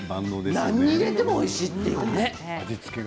何に入れてもおいしいですよね。